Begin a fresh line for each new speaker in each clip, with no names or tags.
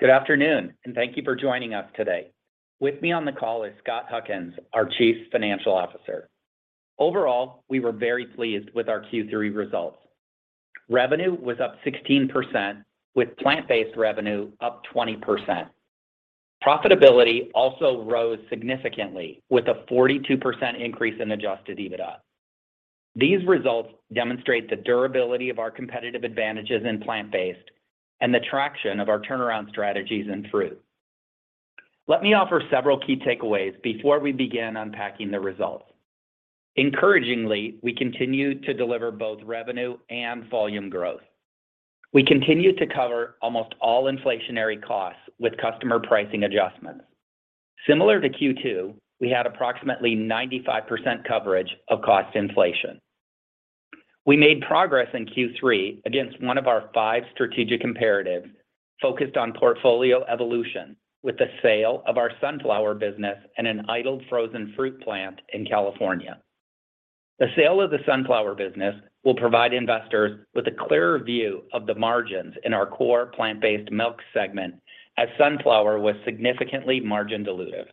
Good afternoon, and thank you for joining us today. With me on the call is Scott Huckins, our Chief Financial Officer. Overall, we were very pleased with our Q3 results. Revenue was up 16% with plant-based revenue up 20%. Profitability also rose significantly with a 42% increase in Adjusted EBITDA. These results demonstrate the durability of our competitive advantages in plant-based and the traction of our turnaround strategies in fruit. Let me offer several key takeaways before we begin unpacking the results. Encouragingly, we continue to deliver both revenue and volume growth. We continue to cover almost all inflationary costs with customer pricing adjustments. Similar to Q2, we had approximately 95% coverage of cost inflation. We made progress in Q3 against one of our five strategic imperatives focused on portfolio evolution with the sale of our sunflower business and an idled frozen fruit plant in California. The sale of the sunflower business will provide investors with a clearer view of the margins in our core plant-based milk segment as sunflower was significantly margin dilutive.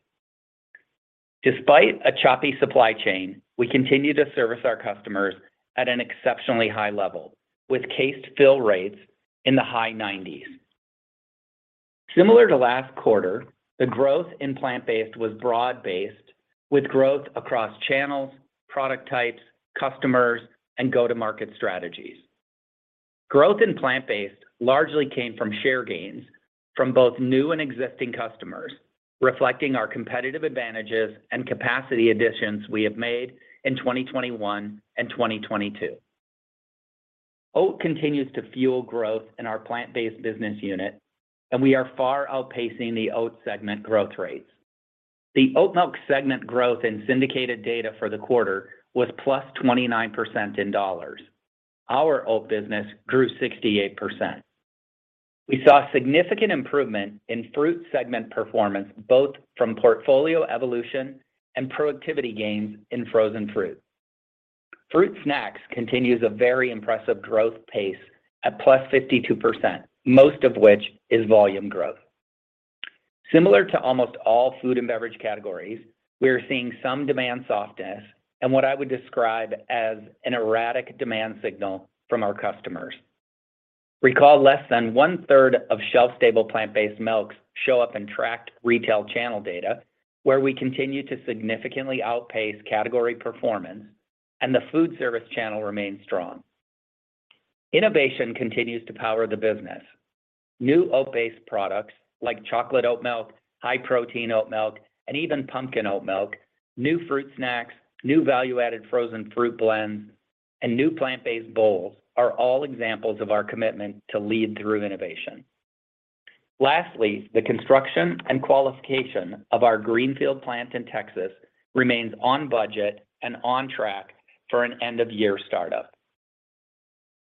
Despite a choppy supply chain, we continue to service our customers at an exceptionally high level with case fill rates in the high 90s%. Similar to last quarter, the growth in plant-based was broad-based with growth across channels, product types, customers, and go-to-market strategies. Growth in plant-based largely came from share gains from both new and existing customers, reflecting our competitive advantages and capacity additions we have made in 2021 and 2022. Oat continues to fuel growth in our plant-based business unit, and we are far outpacing the oat segment growth rates. The oat milk segment growth in syndicated data for the quarter was +29% in dollars. Our oat business grew 68%. We saw significant improvement in fruit segment performance, both from portfolio evolution and productivity gains in frozen fruit. Fruit snacks continues a very impressive growth pace at +52%, most of which is volume growth. Similar to almost all food and beverage categories, we are seeing some demand softness and what I would describe as an erratic demand signal from our customers. Recall less than one-third of shelf-stable plant-based milks show up in tracked retail channel data, where we continue to significantly outpace category performance and the food service channel remains strong. Innovation continues to power the business. New oat-based products like chocolate oat milk, high-protein oat milk, and even pumpkin oat milk, new fruit snacks, new value-added frozen fruit blends, and new plant-based bowls are all examples of our commitment to lead through innovation. Lastly, the construction and qualification of our greenfield plant in Texas remains on budget and on track for an end-of-year startup.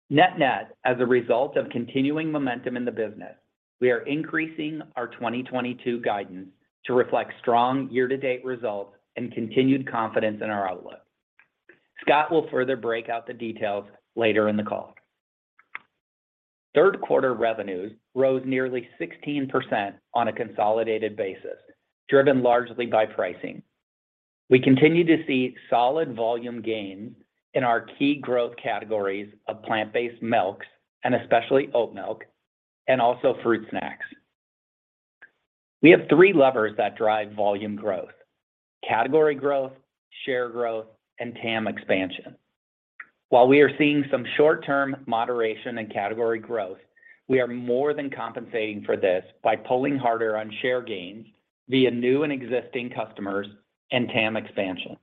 Net-net, as a result of continuing momentum in the business, we are increasing our 2022 guidance to reflect strong year-to-date results and continued confidence in our outlook. Scott will further break out the details later in the call. Third quarter revenues rose nearly 16% on a consolidated basis, driven largely by pricing. We continue to see solid volume gains in our key growth categories of plant-based milks, and especially oat milk, and also fruit snacks. We have three levers that drive volume growth. Category growth, share growth, and TAM expansion. While we are seeing some short-term moderation in category growth, we are more than compensating for this by pulling harder on share gains via new and existing customers and TAM expansion.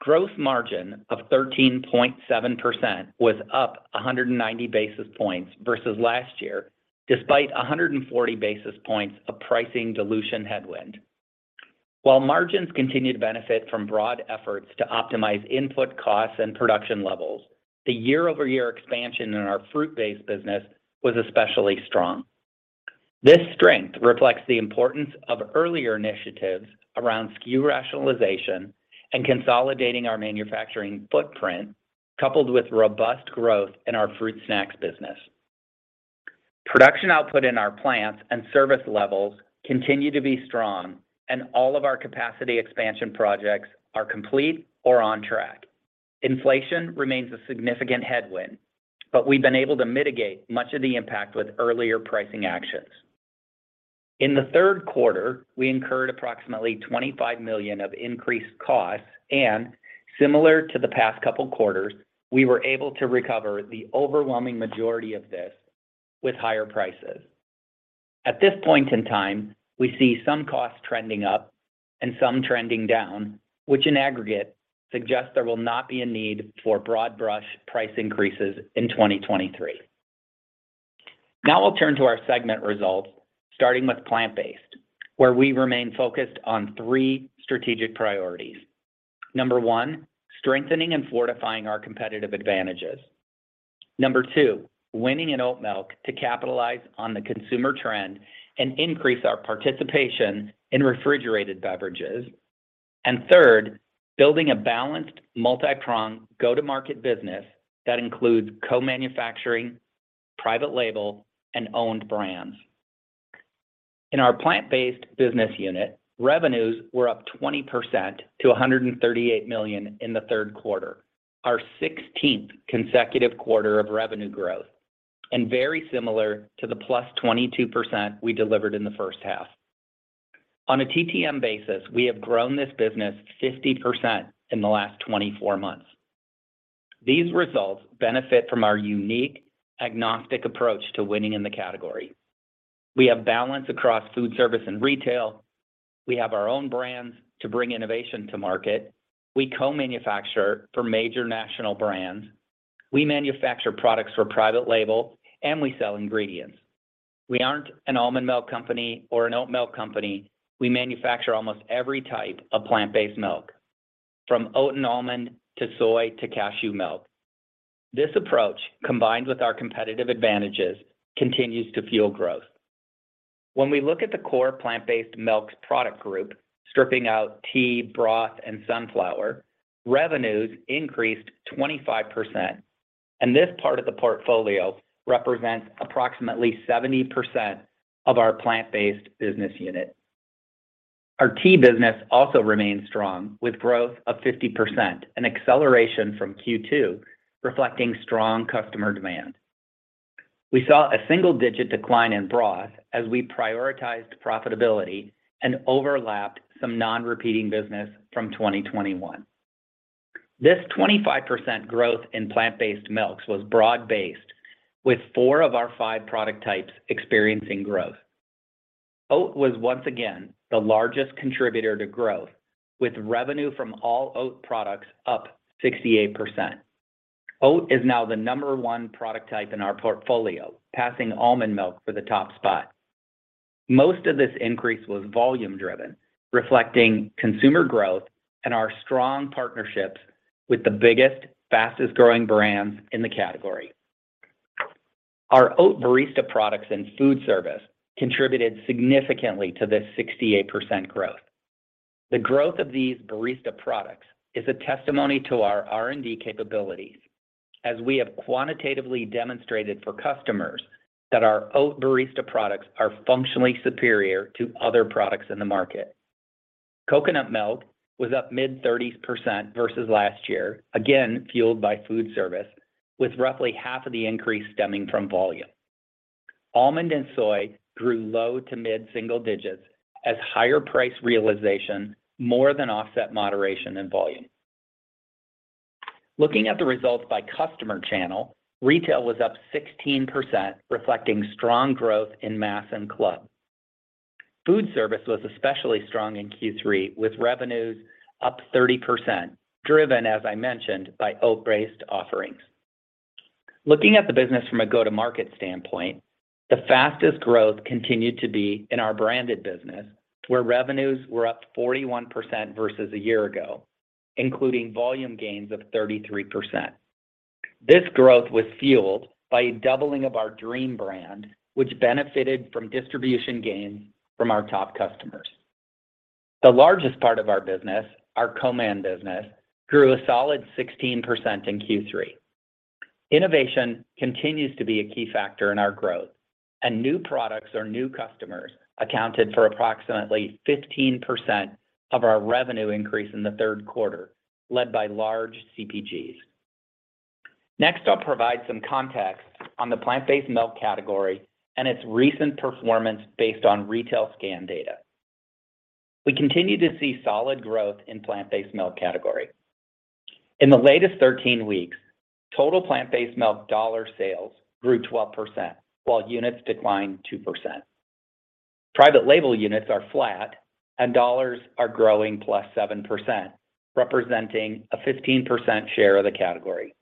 Gross margin of 13.7% was up 190 basis points versus last year, despite 140 basis points of pricing dilution headwind. While margins continue to benefit from broad efforts to optimize input costs and production levels, the year-over-year expansion in our fruit-based business was especially strong. This strength reflects the importance of earlier initiatives around SKU rationalization and consolidating our manufacturing footprint, coupled with robust growth in our fruit snacks business. Production output in our plants and service levels continue to be strong and all of our capacity expansion projects are complete or on track. Inflation remains a significant headwind, but we've been able to mitigate much of the impact with earlier pricing actions. In the third quarter, we incurred approximately $25 million of increased costs, and similar to the past couple quarters, we were able to recover the overwhelming majority of this with higher prices. At this point in time, we see some costs trending up and some trending down, which in aggregate suggests there will not be a need for broad brush price increases in 2023. Now we'll turn to our segment results, starting with plant-based, where we remain focused on three strategic priorities. Number one, strengthening and fortifying our competitive advantages. Number two, winning in oat milk to capitalize on the consumer trend and increase our participation in refrigerated beverages. Third, building a balanced multi-prong go-to-market business that includes co-manufacturing, private label, and owned brands. In our plant-based business unit, revenues were up 20% to $138 million in the third quarter, our 16th consecutive quarter of revenue growth, and very similar to the +22% we delivered in the first half. On a TTM basis, we have grown this business 50% in the last 24 months. These results benefit from our unique agnostic approach to winning in the category. We have balance across food service and retail. We have our own brands to bring innovation to market. We co-manufacture for major national brands. We manufacture products for private label, and we sell ingredients. We aren't an almond milk company or an oat milk company. We manufacture almost every type of plant-based milk, from oat and almond to soy to cashew milk. This approach, combined with our competitive advantages, continues to fuel growth. When we look at the core plant-based milks product group, stripping out tea, broth, and sunflower, revenues increased 25%, and this part of the portfolio represents approximately 70% of our plant-based business unit. Our tea business also remains strong with growth of 50%, an acceleration from Q2 reflecting strong customer demand. We saw a single-digit decline in broth as we prioritized profitability and overlapped some non-repeating business from 2021. This 25% growth in plant-based milks was broad-based, with four of our five product types experiencing growth. Oat was once again the largest contributor to growth, with revenue from all oat products up 68%. Oat is now the number one product type in our portfolio, passing almond milk for the top spot. Most of this increase was volume-driven, reflecting consumer growth and our strong partnerships with the biggest, fastest-growing brands in the category. Our oat barista products and food service contributed significantly to this 68% growth. The growth of these barista products is a testimony to our R&D capabilities as we have quantitatively demonstrated for customers that our oat barista products are functionally superior to other products in the market. Coconut milk was up mid-30s% versus last year, again fueled by food service, with roughly half of the increase stemming from volume. Almond and soy grew low- to mid-single digits as higher price realization more than offset moderation in volume. Looking at the results by customer channel, retail was up 16%, reflecting strong growth in mass and club. Food service was especially strong in Q3, with revenues up 30%, driven, as I mentioned, by oat-based offerings. Looking at the business from a go-to-market standpoint, the fastest growth continued to be in our branded business, where revenues were up 41% versus a year ago, including volume gains of 33%. This growth was fueled by a doubling of our Dream brand, which benefited from distribution gains from our top customers. The largest part of our business, our co-man business, grew a solid 16% in Q3. Innovation continues to be a key factor in our growth, and new products or new customers accounted for approximately 15% of our revenue increase in the third quarter, led by large CPGs. Next, I'll provide some context on the plant-based milk category and its recent performance based on retail scan data. We continue to see solid growth in plant-based milk category. In the latest 13 weeks, total plant-based milk dollar sales grew 12%, while units declined 2%. Private label units are flat, and dollars are growing +7%, representing a 15% share of the category.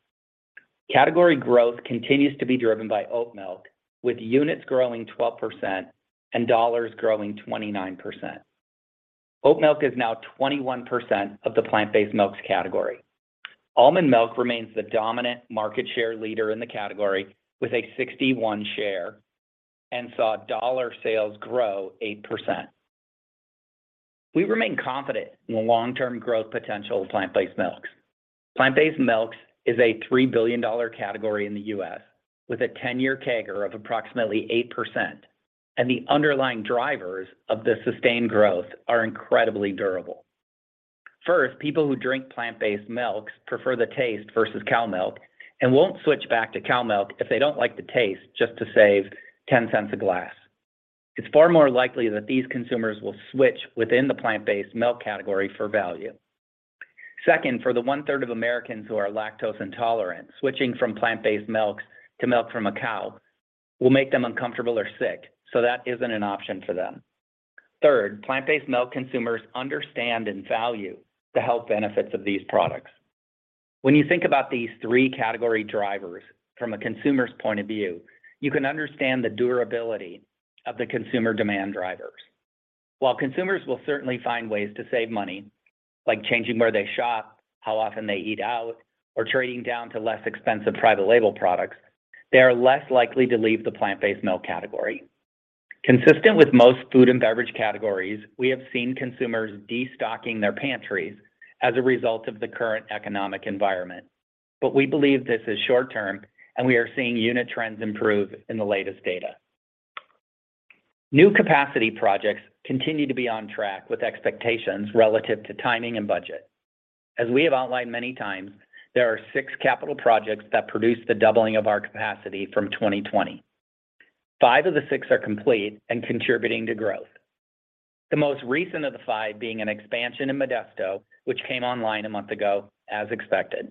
Category growth continues to be driven by oat milk, with units growing 12% and dollars growing 29%. Oat milk is now 21% of the plant-based milks category. Almond milk remains the dominant market share leader in the category with a 61% share and saw dollar sales grow 8%. We remain confident in the long-term growth potential of plant-based milks. Plant-based milks is a $3 billion category in the U.S. with a 10-year CAGR of approximately 8%, and the underlying drivers of the sustained growth are incredibly durable. First, people who drink plant-based milks prefer the taste versus cow milk and won't switch back to cow milk if they don't like the taste just to save $0.10 a glass. It's far more likely that these consumers will switch within the plant-based milk category for value. Second, for the one-third of Americans who are lactose intolerant, switching from plant-based milks to milk from a cow will make them uncomfortable or sick, so that isn't an option for them. Third, plant-based milk consumers understand and value the health benefits of these products. When you think about these three category drivers from a consumer's point of view, you can understand the durability of the consumer demand drivers. While consumers will certainly find ways to save money, like changing where they shop, how often they eat out, or trading down to less expensive private label products, they are less likely to leave the plant-based milk category. Consistent with most food and beverage categories, we have seen consumers destocking their pantries as a result of the current economic environment. We believe this is short-term, and we are seeing unit trends improve in the latest data. New capacity projects continue to be on track with expectations relative to timing and budget. As we have outlined many times, there are six capital projects that produce the doubling of our capacity from 2020. Five of the six are complete and contributing to growth. The most recent of the five being an expansion in Modesto, which came online a month ago as expected.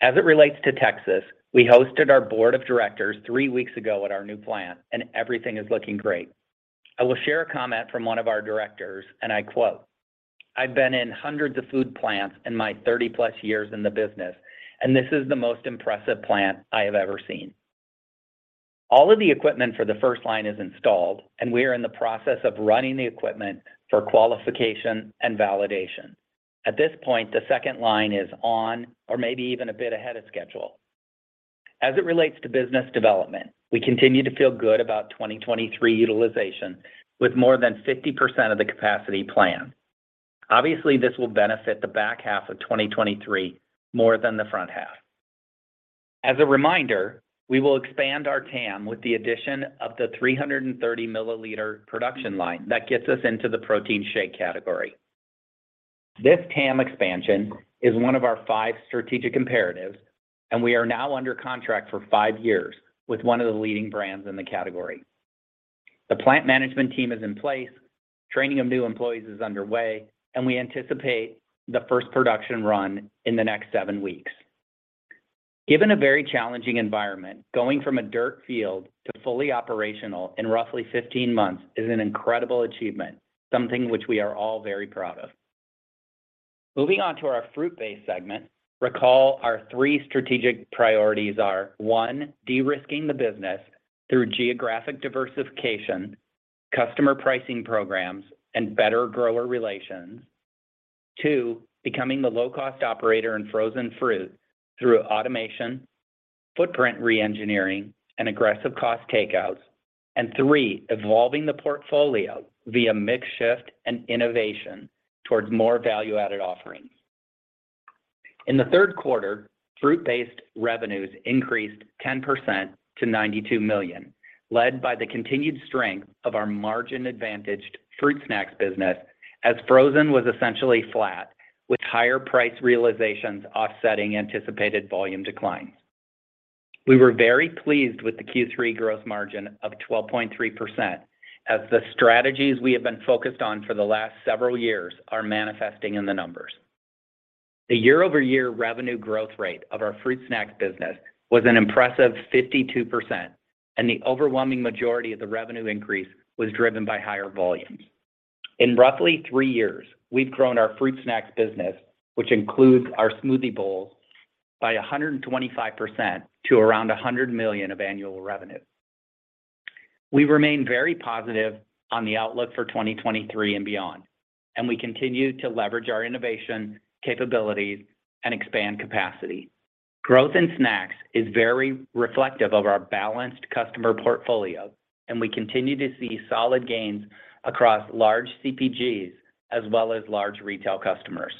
As it relates to Texas, we hosted our board of directors three weeks ago at our new plant, and everything is looking great. I will share a comment from one of our directors, and I quote, "I've been in hundreds of food plants in my 30+ years in the business, and this is the most impressive plant I have ever seen." All of the equipment for the first line is installed, and we are in the process of running the equipment for qualification and validation. At this point, the second line is on or maybe even a bit ahead of schedule. As it relates to business development, we continue to feel good about 2023 utilization with more than 50% of the capacity plan. Obviously, this will benefit the back half of 2023 more than the front half. As a reminder, we will expand our TAM with the addition of the 330 ml production line that gets us into the protein shake category. This TAM expansion is one of our five strategic imperatives, and we are now under contract for five years with one of the leading brands in the category. The plant management team is in place, training of new employees is underway, and we anticipate the first production run in the next seven weeks. Given a very challenging environment, going from a dirt field to fully operational in roughly 15 months is an incredible achievement, something which we are all very proud of. Moving on to our fruit-based segment, recall our three strategic priorities are, one, de-risking the business through geographic diversification, customer pricing programs, and better grower relations. Two, becoming the low-cost operator in frozen fruits through automation, footprint reengineering, and aggressive cost takeouts. Three, evolving the portfolio via mix shift and innovation towards more value-added offerings. In the third quarter, fruit-based revenues increased 10% to $92 million, led by the continued strength of our margin-advantaged fruit snacks business as frozen was essentially flat, with higher price realizations offsetting anticipated volume declines. We were very pleased with the Q3 growth margin of 12.3% as the strategies we have been focused on for the last several years are manifesting in the numbers. The year-over-year revenue growth rate of our fruit snacks business was an impressive 52%, and the overwhelming majority of the revenue increase was driven by higher volumes. In roughly three years, we've grown our fruit snacks business, which includes our smoothie bowls, by 125% to around $100 million of annual revenue. We remain very positive on the outlook for 2023 and beyond, and we continue to leverage our innovation, capabilities, and expand capacity. Growth in snacks is very reflective of our balanced customer portfolio, and we continue to see solid gains across large CPGs as well as large retail customers.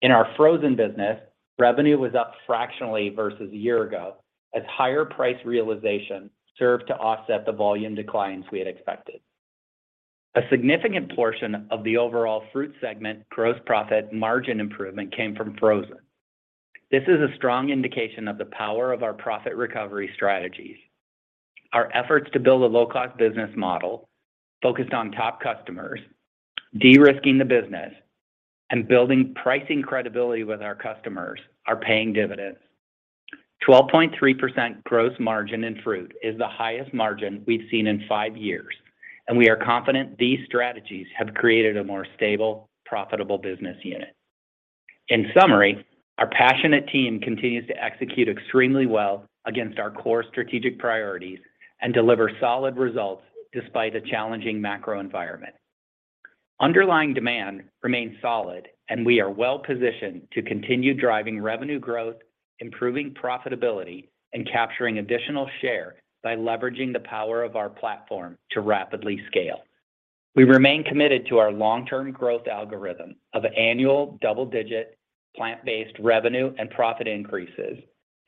In our frozen business, revenue was up fractionally versus a year ago as higher price realization served to offset the volume declines we had expected. A significant portion of the overall fruit segment gross profit margin improvement came from frozen. This is a strong indication of the power of our profit recovery strategies. Our efforts to build a low-cost business model focused on top customers, de-risking the business, and building pricing credibility with our customers are paying dividends. 12.3% gross margin in fruit is the highest margin we've seen in five years, and we are confident these strategies have created a more stable, profitable business unit. In summary, our passionate team continues to execute extremely well against our core strategic priorities and deliver solid results despite a challenging macro environment. Underlying demand remains solid, and we are well-positioned to continue driving revenue growth, improving profitability, and capturing additional share by leveraging the power of our platform to rapidly scale. We remain committed to our long-term growth algorithm of annual double-digit plant-based revenue and profit increases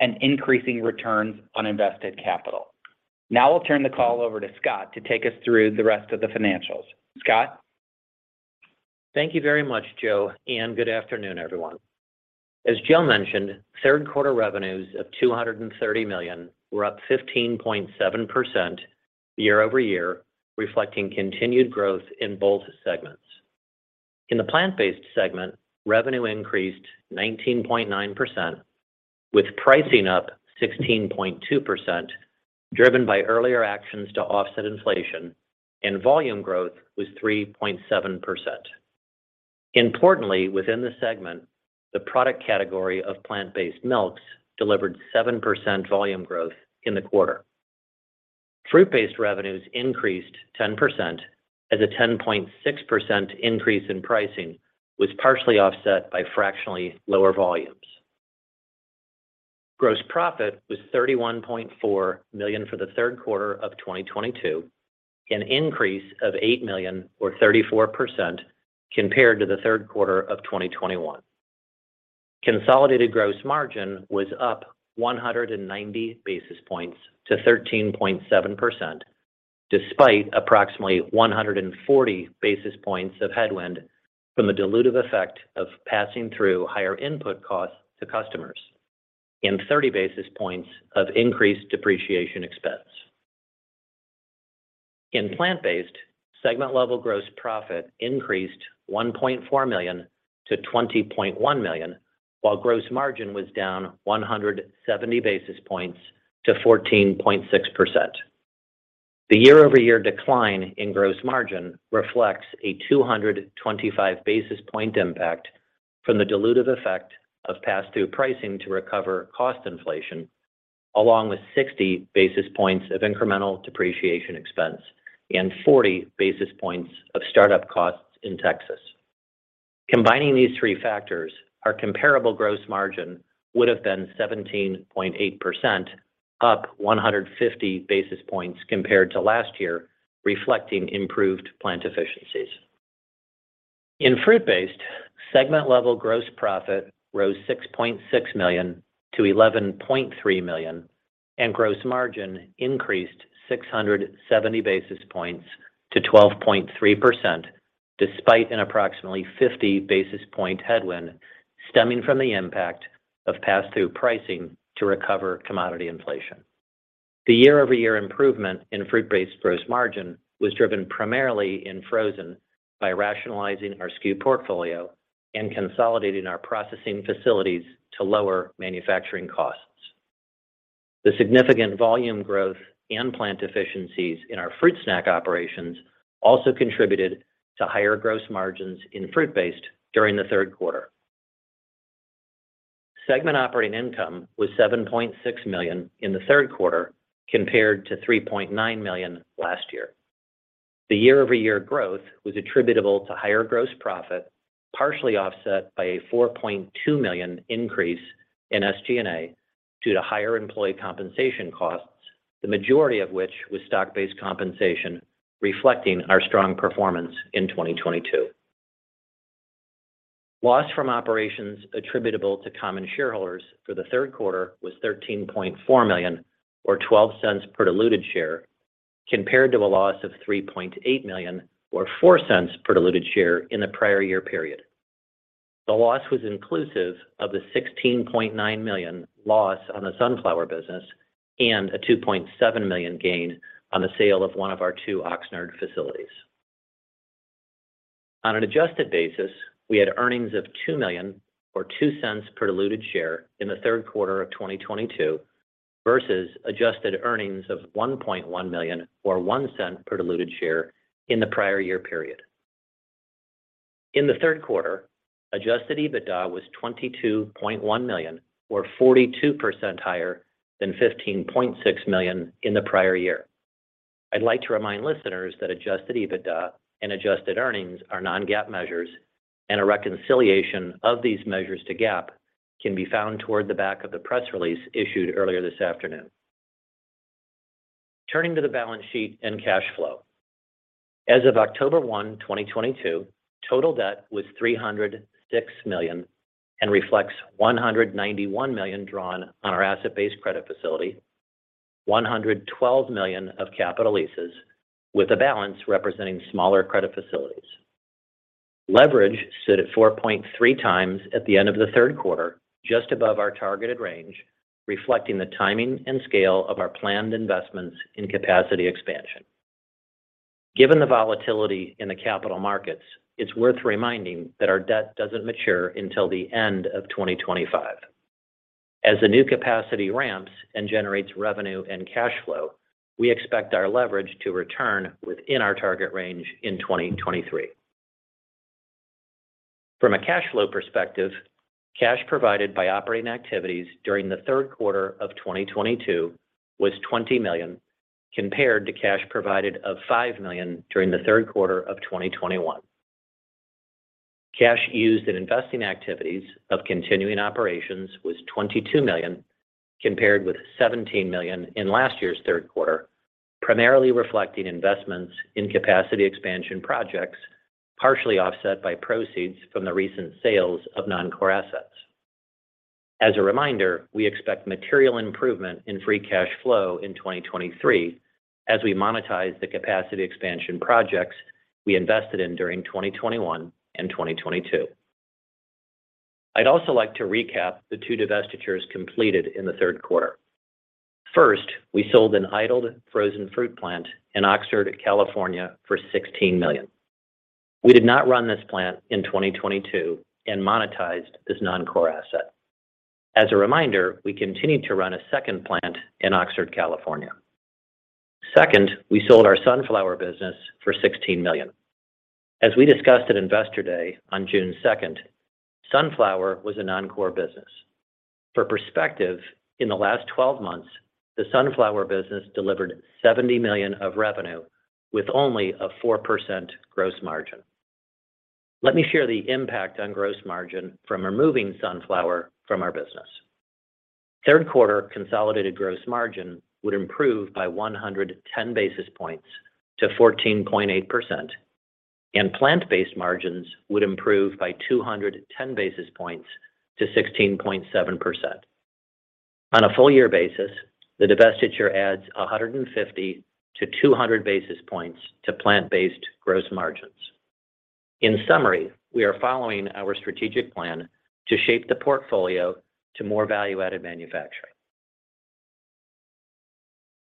and increasing returns on invested capital. Now I'll turn the call over to Scott to take us through the rest of the financials. Scott?
Thank you very much, Joe, and good afternoon, everyone. As Joe mentioned, third quarter revenues of $230 million were up 15.7% year-over-year, reflecting continued growth in both segments. In the plant-based segment, revenue increased 19.9% with pricing up 16.2%, driven by earlier actions to offset inflation, and volume growth was 3.7%. Importantly, within the segment, the product category of plant-based milks delivered 7% volume growth in the quarter. Fruit-based revenues increased 10% as a 10.6% increase in pricing was partially offset by fractionally lower volumes. Gross profit was $31.4 million for the third quarter of 2022, an increase of $8 million or 34% compared to the third quarter of 2021. Consolidated gross margin was up 190 basis points to 13.7%, despite approximately 140 basis points of headwind from the dilutive effect of passing through higher input costs to customers and 30 basis points of increased depreciation expense. In plant-based, segment level gross profit increased $1.4 million to $20.1 million, while gross margin was down 170 basis points to 14.6%. The year-over-year decline in gross margin reflects a 225 basis points impact from the dilutive effect of pass-through pricing to recover cost inflation, along with 60 basis points of incremental depreciation expense and 40 basis points of startup costs in Texas. Combining these three factors, our comparable gross margin would have been 17.8%, up 150 basis points compared to last year, reflecting improved plant efficiencies. In fruit-based, segment level gross profit rose $6.6 million-$11.3 million, and gross margin increased 670 basis points to 12.3%, despite an approximately 50 basis point headwind stemming from the impact of pass-through pricing to recover commodity inflation. The year-over-year improvement in fruit-based gross margin was driven primarily in frozen by rationalizing our SKU portfolio and consolidating our processing facilities to lower manufacturing costs. The significant volume growth and plant efficiencies in our fruit snack operations also contributed to higher gross margins in fruit-based during the third quarter. Segment operating income was $7.6 million in the third quarter compared to $3.9 million last year. The year-over-year growth was attributable to higher gross profit, partially offset by a $4.2 million increase in SG&A due to higher employee compensation costs, the majority of which was stock-based compensation reflecting our strong performance in 2022. Loss from operations attributable to common shareholders for the third quarter was $13.4 million or $0.12 per diluted share compared to a loss of $3.8 million or $0.04 per diluted share in the prior year period. The loss was inclusive of the $16.9 million loss on the Sunflower business and a $2.7 million gain on the sale of one of our two Oxnard facilities. On an adjusted basis, we had earnings of $2 million or $0.02 per diluted share in the third quarter of 2022 versus adjusted earnings of $1.1 million or $0.01 per diluted share in the prior year period. In the third quarter, Adjusted EBITDA was $22.1 million or 42% higher than $15.6 million in the prior year. I'd like to remind listeners that Adjusted EBITDA and adjusted earnings are non-GAAP measures, and a reconciliation of these measures to GAAP can be found toward the back of the press release issued earlier this afternoon. Turning to the balance sheet and cash flow. As of October 1, 2022, total debt was $306 million and reflects $191 million drawn on our asset-based credit facility, $112 million of capital leases with a balance representing smaller credit facilities. Leverage stood at 4.3x at the end of the third quarter, just above our targeted range, reflecting the timing and scale of our planned investments in capacity expansion. Given the volatility in the capital markets, it's worth reminding that our debt doesn't mature until the end of 2025. As the new capacity ramps and generates revenue and cash flow, we expect our leverage to return within our target range in 2023. From a cash flow perspective, cash provided by operating activities during the third quarter of 2022 was $20 million compared to cash provided of $5 million during the third quarter of 2021. Cash used in investing activities of continuing operations was $22 million compared with $17 million in last year's third quarter, primarily reflecting investments in capacity expansion projects, partially offset by proceeds from the recent sales of non-core assets. As a reminder, we expect material improvement in free cash flow in 2023 as we monetize the capacity expansion projects we invested in during 2021 and 2022. I'd also like to recap the two divestitures completed in the third quarter. First, we sold an idled frozen fruit plant in Oxnard, California for $16 million. We did not run this plant in 2022 and monetized this non-core asset. As a reminder, we continue to run a second plant in Oxnard, California. Second, we sold our Sunflower business for $16 million. As we discussed at Investor Day on June 2nd, Sunflower was a non-core business. For perspective, in the last 12 months, the Sunflower business delivered $70 million of revenue with only a 4% gross margin. Let me share the impact on gross margin from removing Sunflower from our business. Third quarter consolidated gross margin would improve by 110 basis points to 14.8%, and plant-based margins would improve by 210 basis points to 16.7%. On a full year basis, the divestiture adds 150-200 basis points to plant-based gross margins. In summary, we are following our strategic plan to shape the portfolio to more value-added manufacturing.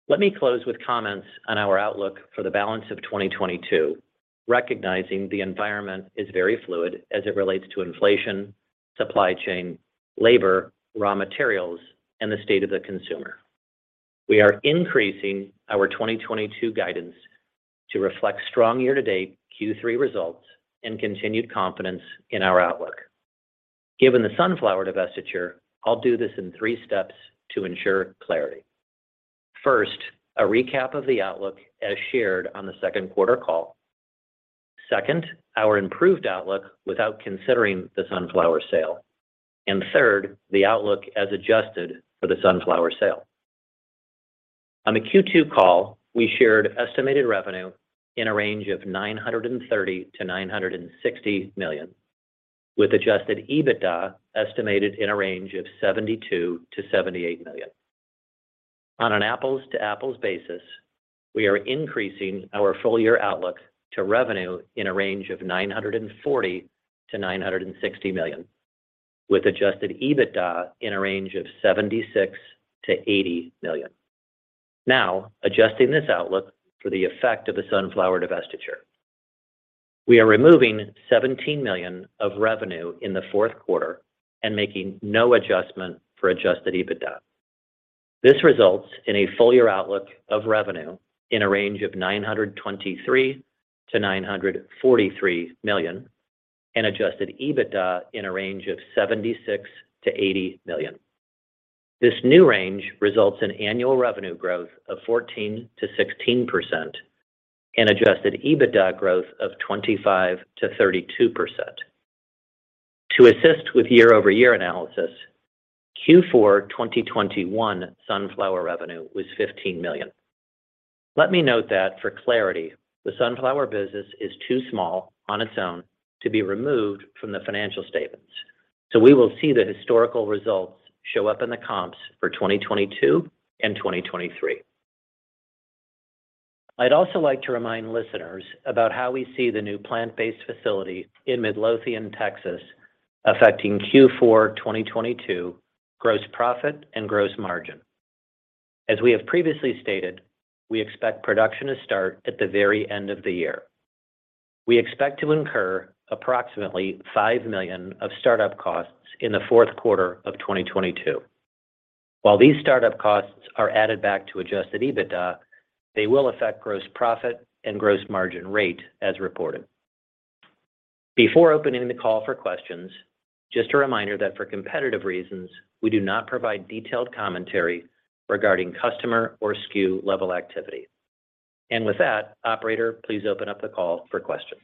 Let me close with comments on our outlook for the balance of 2022, recognizing the environment is very fluid as it relates to inflation, supply chain, labor, raw materials, and the state of the consumer. We are increasing our 2022 guidance to reflect strong year-to-date Q3 results and continued confidence in our outlook. Given the sunflower divestiture, I'll do this in three steps to ensure clarity. First, a recap of the outlook as shared on the second quarter call. Second, our improved outlook without considering the sunflower sale. Third, the outlook as adjusted for the sunflower sale. On the Q2 call, we shared estimated revenue in a range of $930 million-$960 million, with Adjusted EBITDA estimated in a range of $72 million-$78 million. On an apples to apples basis, we are increasing our full year outlook to revenue in a range of $940 million-$960 million, with Adjusted EBITDA in a range of $76 million-$80 million. Now, adjusting this outlook for the effect of the sunflower divestiture. We are removing $17 million of revenue in the fourth quarter and making no adjustment for Adjusted EBITDA. This results in a full year outlook of revenue in a range of $923 million-$943 million and Adjusted EBITDA in a range of $76 million-$80 million. This new range results in annual revenue growth of 14%-16% and Adjusted EBITDA growth of 25%-32%. To assist with year-over-year analysis, Q4 2021 sunflower revenue was $15 million. Let me note that for clarity, the sunflower business is too small on its own to be removed from the financial statements. We will see the historical results show up in the comps for 2022 and 2023. I'd also like to remind listeners about how we see the new plant-based facility in Midlothian, Texas, affecting Q4 2022 gross profit and gross margin. As we have previously stated, we expect production to start at the very end of the year. We expect to incur approximately $5 million of startup costs in the fourth quarter of 2022. While these startup costs are added back to Adjusted EBITDA, they will affect gross profit and gross margin rate as reported. Before opening the call for questions, just a reminder that for competitive reasons, we do not provide detailed commentary regarding customer or SKU level activity. With that, operator, please open up the call for questions.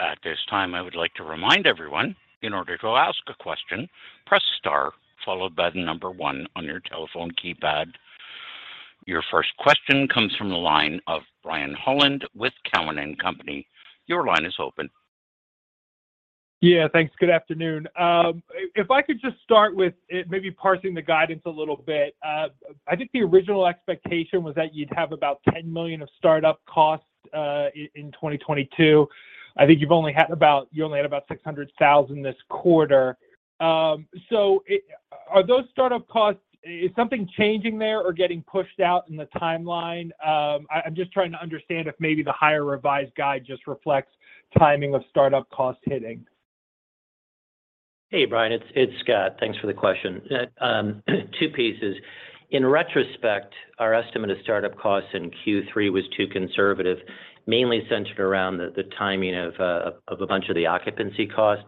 At this time, I would like to remind everyone, in order to ask a question, press star followed by the number one on your telephone keypad. Your first question comes from the line of Brian Holland with Cowen and Company. Your line is open.
Yeah, thanks. Good afternoon. If I could just start with maybe parsing the guidance a little bit. I think the original expectation was that you'd have about $10 million of startup costs in 2022. I think you only had about $600,000 this quarter. So are those startup costs, is something changing there or getting pushed out in the timeline? I'm just trying to understand if maybe the higher revised guide just reflects timing of startup costs hitting.
Hey, Brian, it's Scott. Thanks for the question. Two pieces. In retrospect, our estimate of startup costs in Q3 was too conservative, mainly centered around the timing of a bunch of the occupancy costs.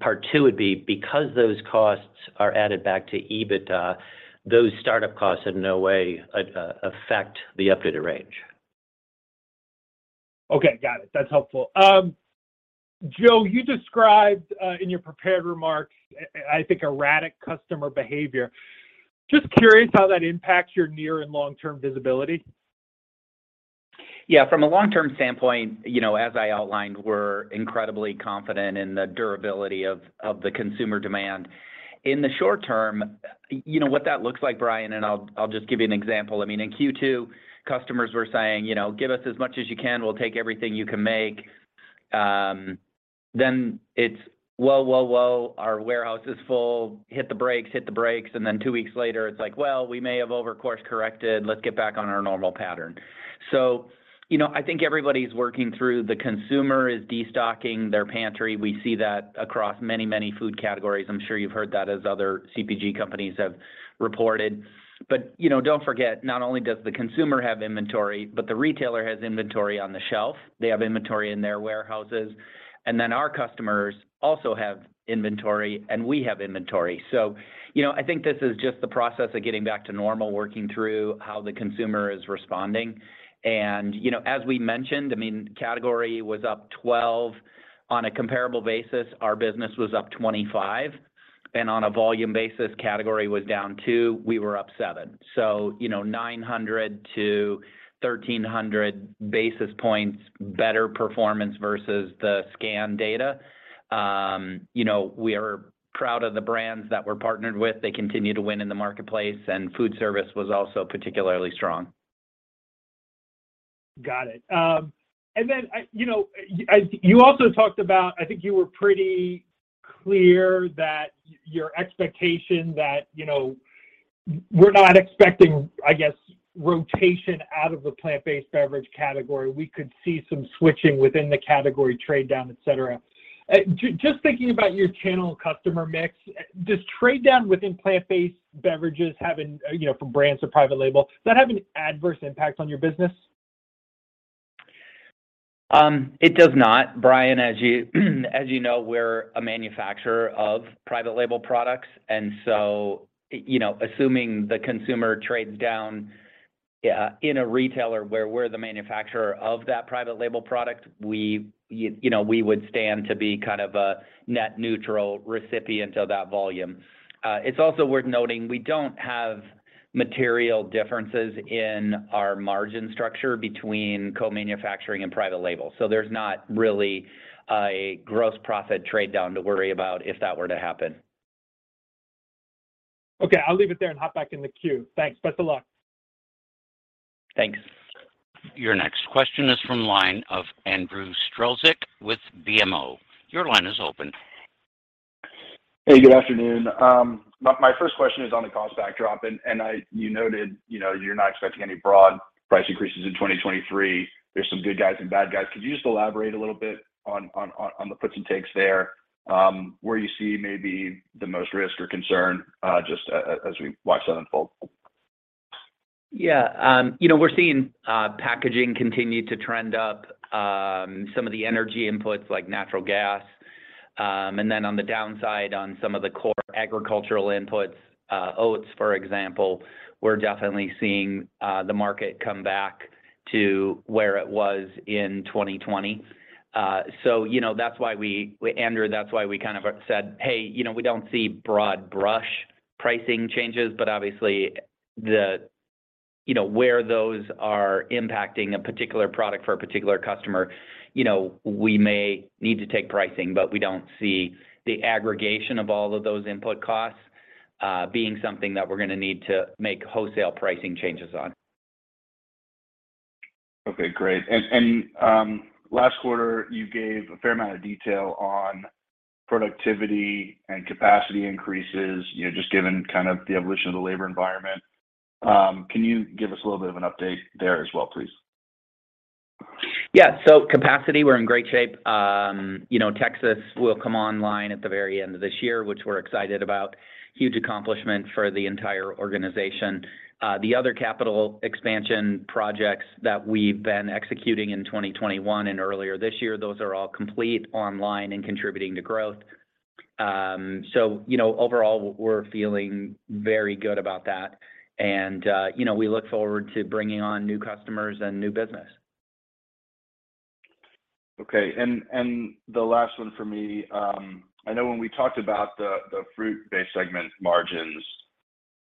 Part two would be because those costs are added back to EBITDA, those startup costs in no way affect the updated range.
Okay. Got it. That's helpful. Joe, you described in your prepared remarks, I think, erratic customer behavior. Just curious how that impacts your near and long-term visibility?
Yeah. From a long-term standpoint, you know, as I outlined, we're incredibly confident in the durability of the consumer demand. In the short term, you know what that looks like, Brian, and I'll just give you an example. I mean, in Q2, customers were saying, you know, "Give us as much as you can. We'll take everything you can make." Then it's, "Whoa, whoa, our warehouse is full. Hit the brakes. Hit the brakes." Then two weeks later, it's like, "Well, we may have overcorrected. Let's get back on our normal pattern. You know, I think everybody's working through. The consumer is destocking their pantry. We see that across many, many food categories. I'm sure you've heard that as other CPG companies have reported. You know, don't forget, not only does the consumer have inventory, but the retailer has inventory on the shelf. They have inventory in their warehouses. Then our customers also have inventory, and we have inventory. You know, I think this is just the process of getting back to normal, working through how the consumer is responding. You know, as we mentioned, I mean, category was up 12% on a comparable basis. Our business was up 25%. On a volume basis, category was down 2%, we were up 7%. You know, 900-1,300 basis points better performance versus the scan data. You know, we are proud of the brands that we're partnered with. They continue to win in the marketplace, and food service was also particularly strong.
Got it. You know, you also talked about, I think you were pretty clear that your expectation that, you know, we're not expecting, I guess, rotation out of the plant-based beverage category. We could see some switching within the category, trade down, et cetera. Just thinking about your channel customer mix, does trade down within plant-based beverages having, you know, from brands to private label, does that have an adverse impact on your business?
It does not, Brian. As you know, we're a manufacturer of private label products. You know, assuming the consumer trades down in a retailer where we're the manufacturer of that private label product, we, you know, we would stand to be kind of a net neutral recipient of that volume. It's also worth noting, we don't have material differences in our margin structure between co-manufacturing and private label. There's not really a gross profit trade down to worry about if that were to happen.
Okay, I'll leave it there and hop back in the queue. Thanks. Best of luck.
Thanks.
Your next question is from the line of Andrew Strelzik with BMO. Your line is open.
Hey, good afternoon. My first question is on the cost backdrop. You noted, you know, you're not expecting any broad price increases in 2023. There's some good guys and bad guys. Could you just elaborate a little bit on the puts and takes there, where you see maybe the most risk or concern, just as we watch that unfold?
Yeah. You know, we're seeing packaging continue to trend up, some of the energy inputs like natural gas. Then on the downside on some of the core agricultural inputs, oats, for example, we're definitely seeing the market come back to where it was in 2020. You know, that's why we—Andrew, that's why we kind of said, "Hey, you know, we don't see broad brush pricing changes." Obviously, you know, where those are impacting a particular product for a particular customer, you know, we may need to take pricing, but we don't see the aggregation of all of those input costs being something that we're gonna need to make wholesale pricing changes on.
Okay, great. Last quarter, you gave a fair amount of detail on productivity and capacity increases, you know, just given kind of the evolution of the labor environment. Can you give us a little bit of an update there as well, please?
Yeah. Capacity, we're in great shape. You know, Texas will come online at the very end of this year, which we're excited about. Huge accomplishment for the entire organization. The other capital expansion projects that we've been executing in 2021 and earlier this year, those are all complete, online, and contributing to growth. So, you know, overall, we're feeling very good about that. You know, we look forward to bringing on new customers and new business.
Okay. The last one for me, I know when we talked about the fruit-based segment margins,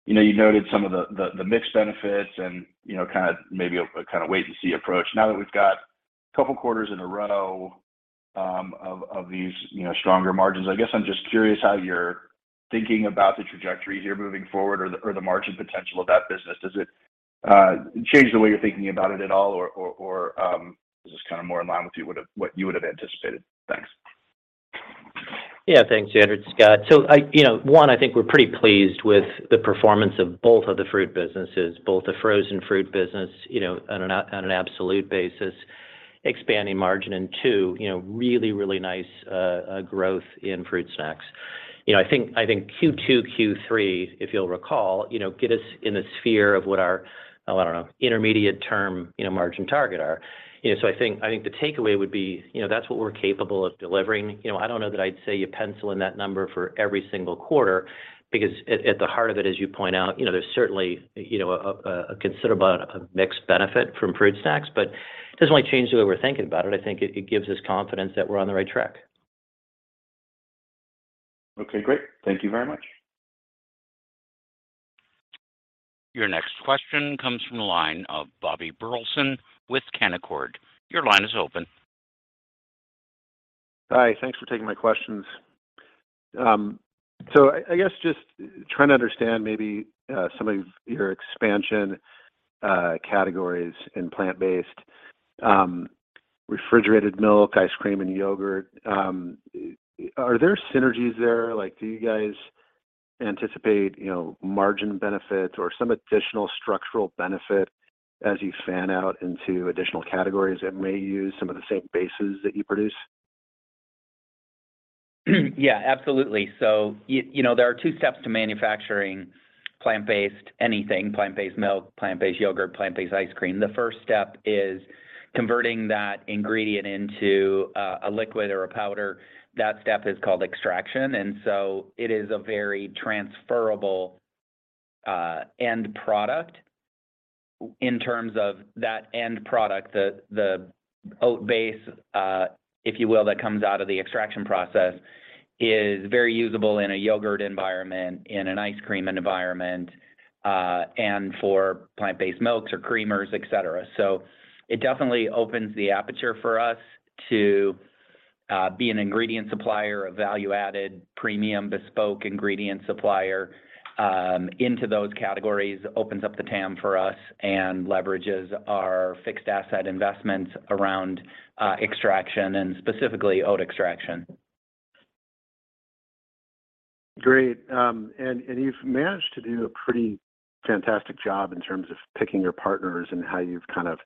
you know, you noted some of the mix benefits and, you know, kind of maybe a kind of wait and see approach. Now that we've got a couple of quarters in a row of these, you know, stronger margins. I guess I'm just curious how you're thinking about the trajectories here moving forward or the margin potential of that business. Does it change the way you're thinking about it at all or is this kind of more in line with what you would have anticipated? Thanks.
Yeah. Thanks, Andrew. It's Scott. You know, one, I think we're pretty pleased with the performance of both of the fruit businesses, both the frozen fruit business, you know, on an absolute basis, expanding margin, and two, you know, really, really nice growth in fruit snacks. You know, I think Q2, Q3, if you'll recall, you know, get us in a sphere of what our, I don't know, intermediate term, you know, margin target are. You know, I think the takeaway would be, you know, that's what we're capable of delivering. You know, I don't know that I'd say you pencil in that number for every single quarter because at the heart of it, as you point out, you know, there's certainly a considerable mixed benefit from fruit snacks, but it doesn't really change the way we're thinking about it. I think it gives us confidence that we're on the right track.
Okay, great. Thank you very much.
Your next question comes from the line of Bobby Burleson with Canaccord. Your line is open.
Hi, thanks for taking my questions. I guess just trying to understand maybe some of your expansion categories in plant-based. Refrigerated milk, ice cream, and yogurt. Are there synergies there? Like, do you guys anticipate, you know, margin benefits or some additional structural benefit as you fan out into additional categories that may use some of the same bases that you produce?
Yeah, absolutely. You know, there are two steps to manufacturing plant-based anything, plant-based milk, plant-based yogurt, plant-based ice cream. The first step is converting that ingredient into a liquid or a powder. That step is called extraction, and it is a very transferable end product in terms of that end product. The oat base, if you will, that comes out of the extraction process is very usable in a yogurt environment, in an ice cream environment, and for plant-based milks or creamers, et cetera. It definitely opens the aperture for us to be an ingredient supplier, a value-added premium bespoke ingredient supplier into those categories, opens up the TAM for us and leverages our fixed asset investments around extraction and specifically oat extraction.
Great. And you've managed to do a pretty fantastic job in terms of picking your partners and how you've kind of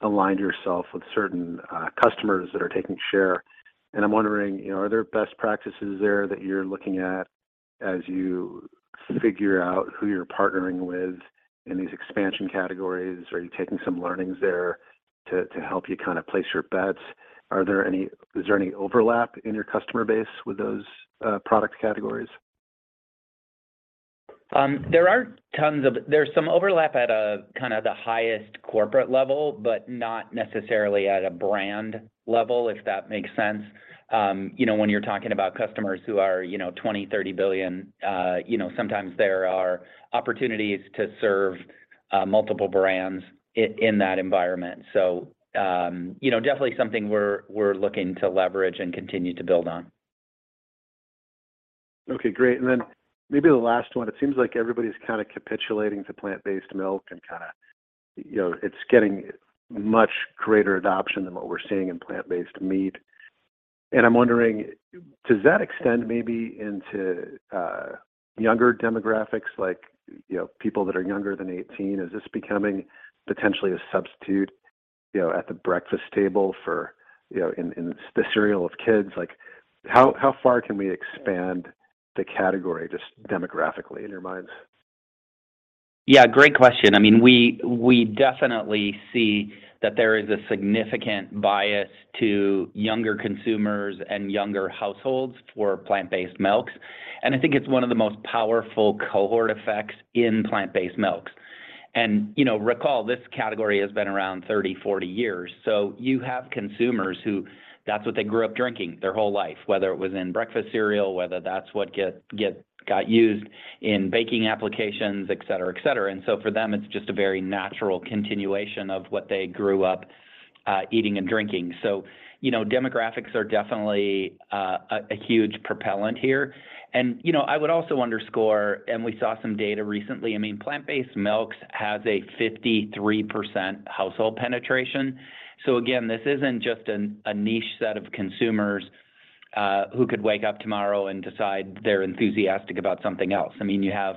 aligned yourself with certain customers that are taking share. I'm wondering, you know, are there best practices there that you're looking at as you figure out who you're partnering with in these expansion categories? Are you taking some learnings there to help you kind of place your bets? Is there any overlap in your customer base with those product categories?
There's some overlap at a kind of the highest corporate level, but not necessarily at a brand level, if that makes sense. You know, when you're talking about customers who are, you know, $20 billion-$30 billion, you know, sometimes there are opportunities to serve multiple brands in that environment. You know, definitely something we're looking to leverage and continue to build on.
Okay, great. Then maybe the last one. It seems like everybody's kind of capitulating to plant-based milk and kind of, you know, it's getting much greater adoption than what we're seeing in plant-based meat. I'm wondering, does that extend maybe into younger demographics like, you know, people that are younger than eighteen? Is this becoming potentially a substitute, you know, at the breakfast table for, you know, in the cereal of kids? Like how far can we expand the category just demographically in your minds?
Yeah, great question. I mean, we definitely see that there is a significant bias to younger consumers and younger households for plant-based milks. I think it's one of the most powerful cohort effects in plant-based milks. You know, recall this category has been around 30, 40 years. You have consumers who that's what they grew up drinking their whole life, whether it was in breakfast cereal, whether that's what got used in baking applications, et cetera, et cetera. For them, it's just a very natural continuation of what they grew up eating and drinking. You know, demographics are definitely a huge propellant here. You know, I would also underscore, we saw some data recently. I mean, plant-based milks has a 53% household penetration. Again, this isn't just a niche set of consumers who could wake up tomorrow and decide they're enthusiastic about something else. I mean, you have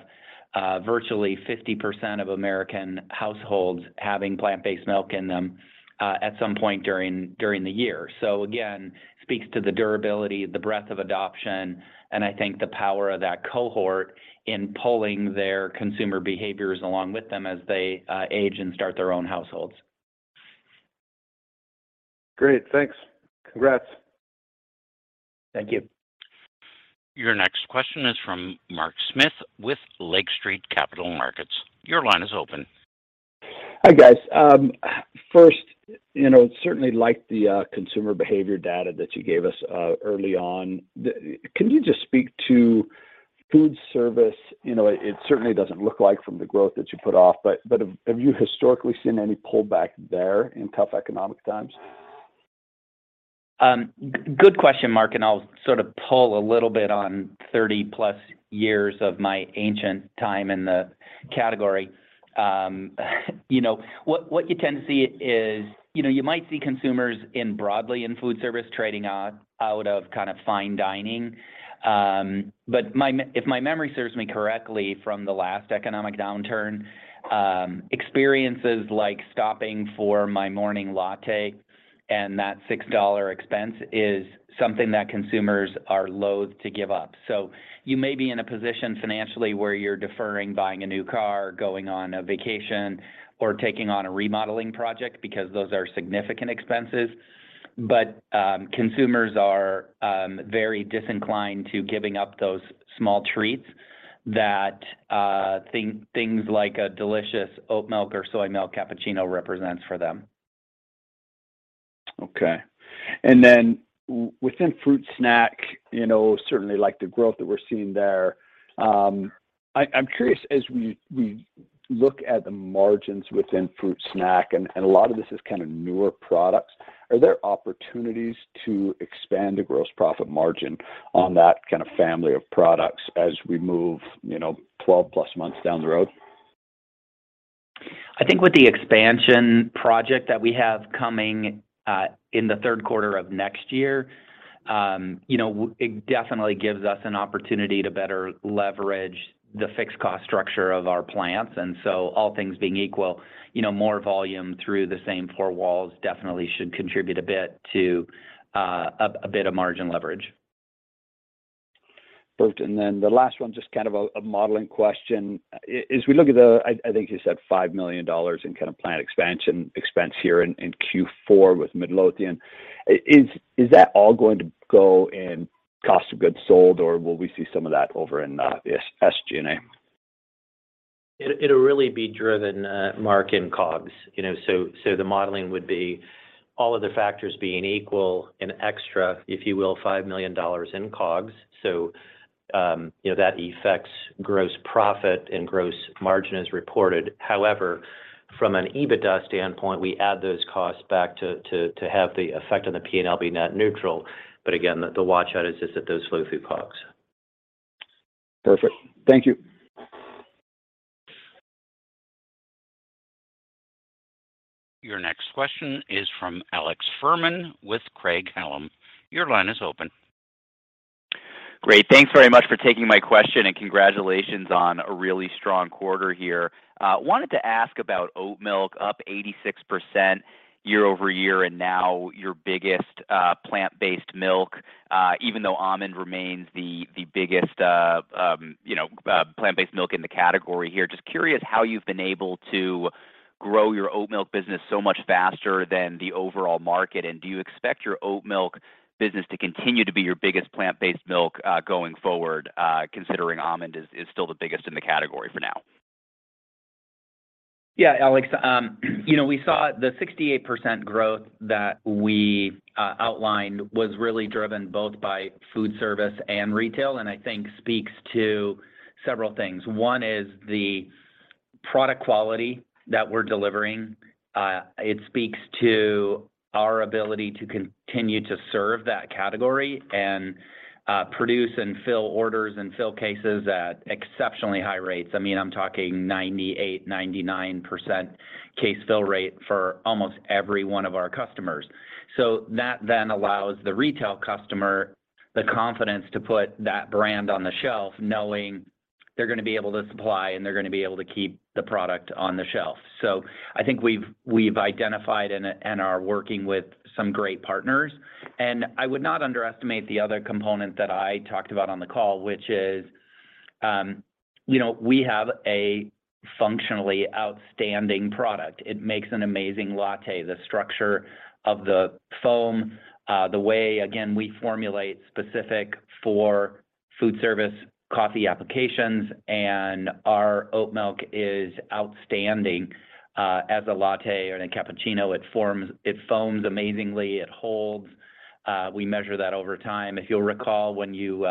virtually 50% of American households having plant-based milk in them at some point during the year. Again, speaks to the durability, the breadth of adoption, and I think the power of that cohort in pulling their consumer behaviors along with them as they age and start their own households.
Great. Thanks. Congrats.
Thank you.
Your next question is from Mark Smith with Lake Street Capital Markets. Your line is open.
Hi, guys. First, you know, certainly like the consumer behavior data that you gave us early on. Can you just speak to food service? You know, it certainly doesn't look like from the growth that you put out, but have you historically seen any pullback there in tough economic times?
Good question, Mark. I'll sort of pull a little bit on 30+ years of my ancient time in the category. You know, what you tend to see is, you know, you might see consumers broadly in food service trading out of kind of fine dining. But if my memory serves me correctly from the last economic downturn, experiences like stopping for my morning latte and that $6 expense is something that consumers are loath to give up. You may be in a position financially where you're deferring buying a new car, going on a vacation, or taking on a remodeling project because those are significant expenses. Consumers are very disinclined to giving up those small treats that things like a delicious oat milk or soy milk cappuccino represents for them.
Okay. Within fruit snack, you know, certainly like the growth that we're seeing there, I'm curious as we look at the margins within fruit snack, and a lot of this is kind of newer products Are there opportunities to expand the gross profit margin on that kind of family of products as we move, you know, 12+ months down the road?
I think with the expansion project that we have coming in the third quarter of next year, you know, it definitely gives us an opportunity to better leverage the fixed cost structure of our plants. All things being equal, you know, more volume through the same four walls definitely should contribute a bit to a bit of margin leverage.
Perfect. Then the last one, just kind of a modeling question. As we look at the, I think you said $5 million in kind of planned expansion expense here in Q4 with Midlothian, is that all going to go in cost of goods sold, or will we see some of that over in the SG&A?
It'll really be driven, Mark, in COGS. You know, the modeling would be all other factors being equal, an extra, if you will, $5 million in COGS. You know, that affects gross profit and gross margin as reported. However, from an EBITDA standpoint, we add those costs back to have the effect on the P&L be net neutral. Again, the watch-out is just that those flow through COGS.
Perfect. Thank you.
Your next question is from Alex Fuhrman with Craig-Hallum. Your line is open.
Great. Thanks very much for taking my question, and congratulations on a really strong quarter here. Wanted to ask about oat milk, up 86% year-over-year and now your biggest plant-based milk, even though almond remains the biggest plant-based milk in the category here. Just curious how you've been able to grow your oat milk business so much faster than the overall market. Do you expect your oat milk business to continue to be your biggest plant-based milk going forward, considering almond is still the biggest in the category for now?
Yeah, Alex. You know, we saw the 68% growth that we outlined was really driven both by food service and retail, and I think speaks to several things. One is the product quality that we're delivering. It speaks to our ability to continue to serve that category and produce and fill orders and fill cases at exceptionally high rates. I mean, I'm talking 98%, 99% case fill rate for almost every one of our customers. So that then allows the retail customer the confidence to put that brand on the shelf knowing they're gonna be able to supply, and they're gonna be able to keep the product on the shelf. So I think we've identified and are working with some great partners. I would not underestimate the other component that I talked about on the call, which is, you know, we have a functionally outstanding product. It makes an amazing latte. The structure of the foam, the way, again, we formulate specific for food service coffee applications, and our oat milk is outstanding, as a latte and a cappuccino. It foams amazingly. It holds. We measure that over time. If you'll recall, when you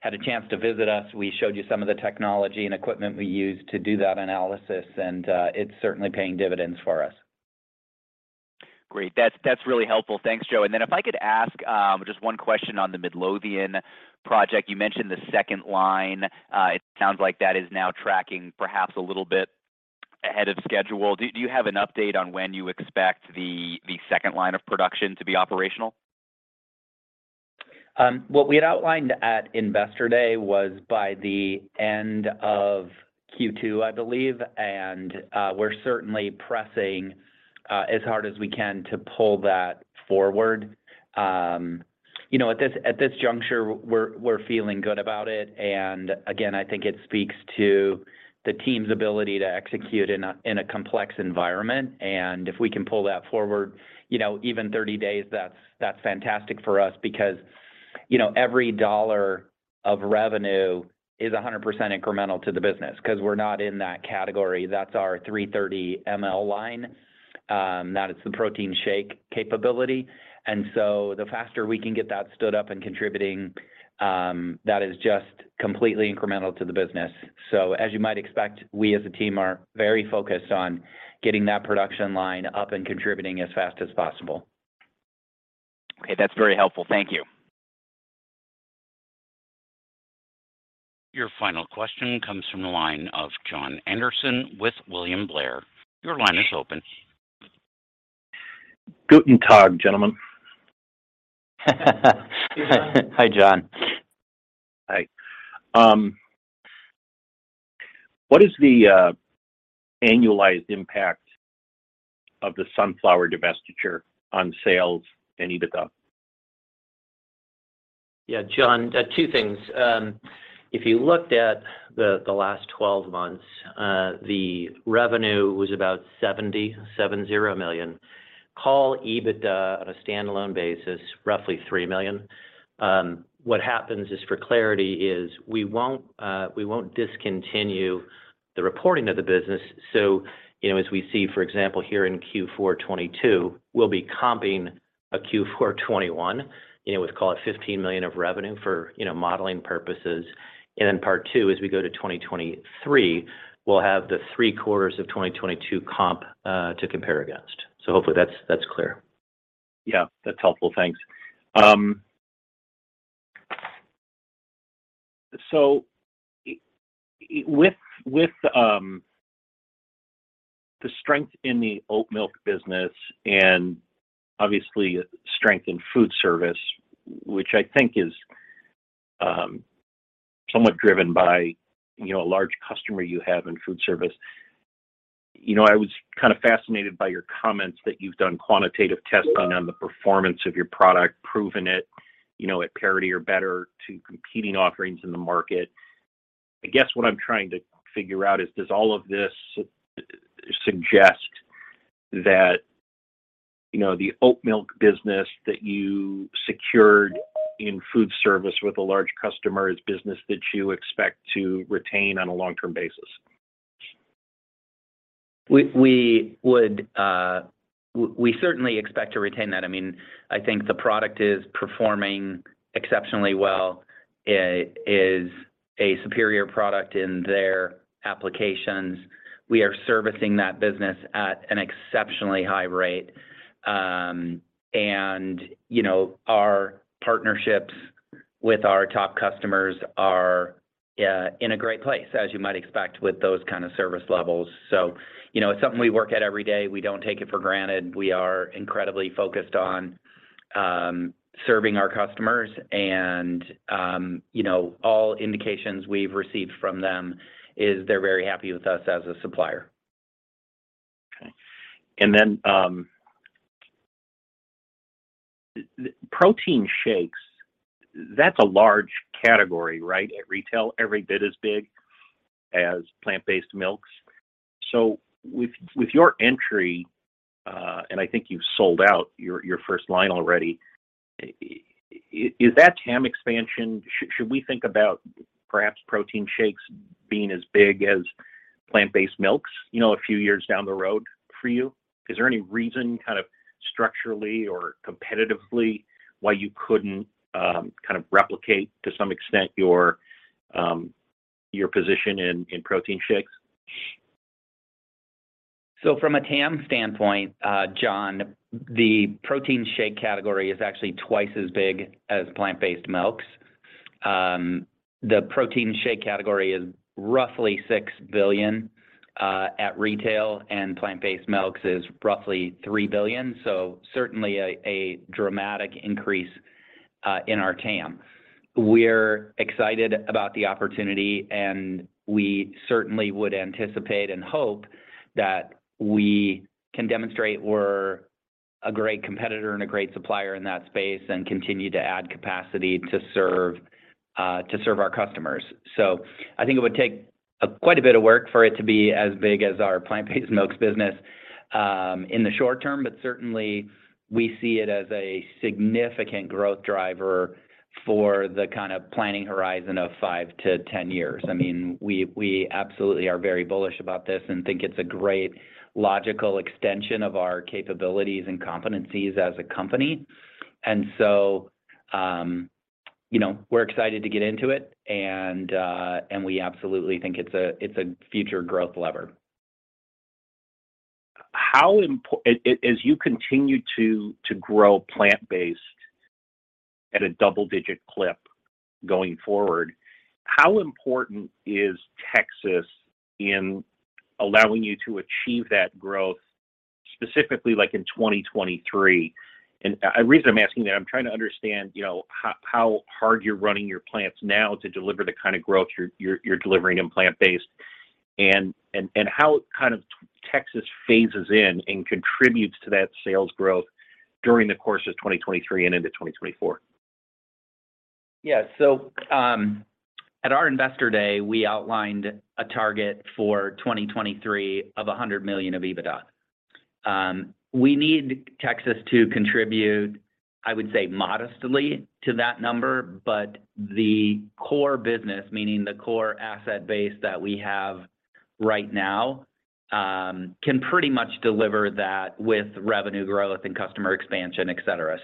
had a chance to visit us, we showed you some of the technology and equipment we use to do that analysis, and it's certainly paying dividends for us.
Great. That's really helpful. Thanks, Joe. If I could ask just one question on the Midlothian project. You mentioned the second line. It sounds like that is now tracking perhaps a little bit ahead of schedule. Do you have an update on when you expect the second line of production to be operational?
What we had outlined at Investor Day was by the end of Q2, I believe, and we're certainly pressing as hard as we can to pull that forward. You know, at this juncture, we're feeling good about it. Again, I think it speaks to the team's ability to execute in a complex environment. If we can pull that forward, you know, even 30 days, that's fantastic for us because, you know, every dollar of revenue is 100% incremental to the business 'cause we're not in that category. That's our 330 mL line, that is the protein shake capability. The faster we can get that stood up and contributing, that is just completely incremental to the business. As you might expect, we as a team are very focused on getting that production line up and contributing as fast as possible.
Okay. That's very helpful. Thank you.
Your final question comes from the line of Jon Andersen with William Blair. Your line is open.
Guten tag, gentlemen.
Hey, Jon.
Hi, Jon.
Hi. What is the annualized impact of the sunflower divestiture on sales and EBITDA?
Yeah, Jon, two things. If you looked at the last twelve months, the revenue was about $77 million. Core EBITDA on a standalone basis, roughly $3 million. What happens is for clarity is we won't discontinue the reporting of the business. You know, as we see, for example, here in Q4 2022, we'll be comping a Q4 2021, you know, with call it $15 million of revenue for, you know, modeling purposes. Part two, as we go to 2023, we'll have the three quarters of 2022 comps to compare against. Hopefully that's clear.
Yeah. That's helpful. Thanks. With the strength in the oat milk business and obviously strength in food service, which I think is somewhat driven by, you know, a large customer you have in food service. You know, I was kind of fascinated by your comments that you've done quantitative testing on the performance of your product, proving it, you know, at parity or better to competing offerings in the market. I guess what I'm trying to figure out is, does all of this suggest that, you know, the oat milk business that you secured in food service with a large customer is business that you expect to retain on a long-term basis?
We would certainly expect to retain that. I mean, I think the product is performing exceptionally well. It is a superior product in their applications. We are servicing that business at an exceptionally high rate. You know, our partnerships with our top customers are in a great place as you might expect with those kind of service levels. You know, it's something we work at every day. We don't take it for granted. We are incredibly focused on serving our customers and you know, all indications we've received from them is they're very happy with us as a supplier.
Okay. Protein shakes, that's a large category, right? At retail, every bit as big as plant-based milks. With your entry, and I think you've sold out your first line already, is that TAM expansion? Should we think about perhaps protein shakes being as big as plant-based milks, you know, a few years down the road for you? Is there any reason kind of structurally or competitively why you couldn't kind of replicate to some extent your position in protein shakes?
From a TAM standpoint, Jon, the protein shake category is actually twice as big as plant-based milks. The protein shake category is roughly $6 billion at retail, and plant-based milks is roughly $3 billion. Certainly a dramatic increase in our TAM. We're excited about the opportunity, and we certainly would anticipate and hope that we can demonstrate we're a great competitor and a great supplier in that space and continue to add capacity to serve our customers. I think it would take quite a bit of work for it to be as big as our plant-based milks business in the short term. Certainly we see it as a significant growth driver for the kind of planning horizon of five to ten years. I mean, we absolutely are very bullish about this and think it's a great logical extension of our capabilities and competencies as a company. You know, we're excited to get into it and we absolutely think it's a future growth lever.
As you continue to grow plant-based at a double-digit clip going forward, how important is Texas in allowing you to achieve that growth, specifically like in 2023? The reason I'm asking that, I'm trying to understand, you know, how hard you're running your plants now to deliver the kind of growth you're delivering in plant-based and how kind of Texas phases in and contributes to that sales growth during the course of 2023 and into 2024.
Yeah. At our investor day, we outlined a target for 2023 of $100 million of EBITDA. We need Texas to contribute, I would say, modestly to that number, but the core business, meaning the core asset base that we have right now, can pretty much deliver that with revenue growth and customer expansion, et cetera.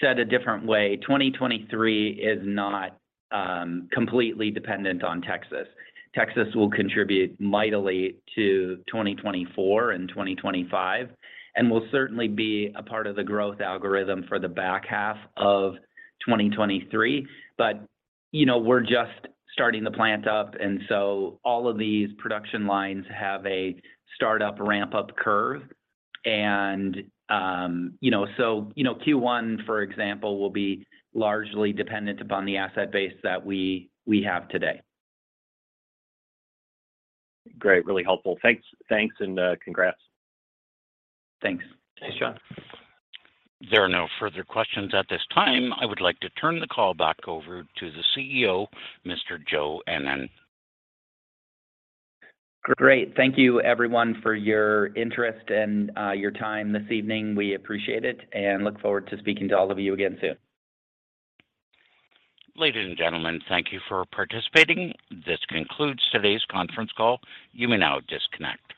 Said a different way, 2023 is not completely dependent on Texas. Texas will contribute mightily to 2024 and 2025 and will certainly be a part of the growth algorithm for the back half of 2023. You know, we're just starting the plant up, and so all of these production lines have a startup ramp-up curve. You know, Q1, for example, will be largely dependent upon the asset base that we have today.
Great. Really helpful. Thanks. Thanks, and, congrats.
Thanks.
Thanks, John. There are no further questions at this time. I would like to turn the call back over to the CEO, Mr. Joe Ennen.
Great. Thank you everyone for your interest and your time this evening. We appreciate it and look forward to speaking to all of you again soon.
Ladies and gentlemen, thank you for participating. This concludes today's conference call. You may now disconnect.